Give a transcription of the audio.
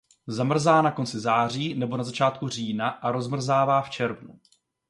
Zamrzá na konci září nebo na začátku října a rozmrzá v červnu.